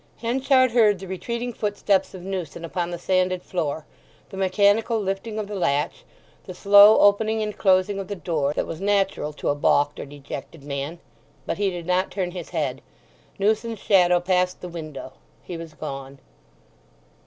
Henchard heard the retreating footsteps of Newson upon the sanded floor, the mechanical lifting of the latch, the slow opening and closing of the door that was natural to a baulked or dejected man; but he did not turn his head. Newson's shadow passed the window. He was gone.